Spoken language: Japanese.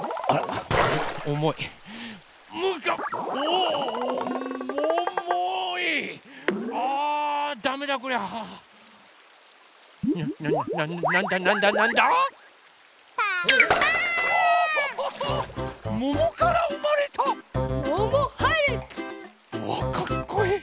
うわかっこいい！